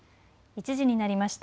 １時になりました。